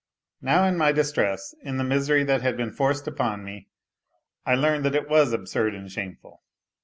Now in my dis tress, in the misery that had been forced upon me, I learned that it was absurd and shameful.